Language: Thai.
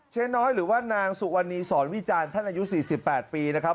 น้อยหรือว่านางสุวรรณีสอนวิจารณ์ท่านอายุ๔๘ปีนะครับ